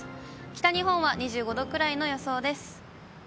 北日本は２５度くらいの予想です。